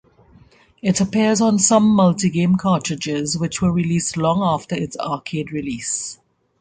It appears on some multi-game cartridges, which were released long after its arcade release.